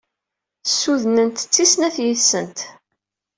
Sudnent-tt i snat yid-sent.